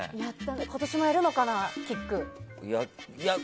今年もやるのかな、キック。